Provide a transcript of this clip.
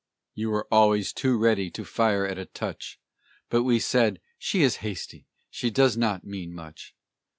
You were always too ready to fire at a touch; But we said: "She is hasty, she does not mean much."